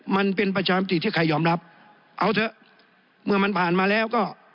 มันเป็นประชามติที่ใครยอมรับเอาเถอะเมื่อมันผ่านมาแล้วก็